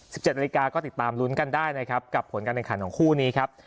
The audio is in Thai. สิบเจ็ดนาฬิกาก็ติดตามลุ้นกันได้นะครับกับผลการแข่งขันของคู่นี้ครับ